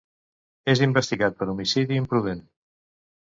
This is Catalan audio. És investigat per homicidi imprudent.